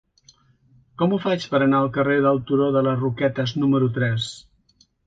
Com ho faig per anar al carrer del Turó de les Roquetes número tres?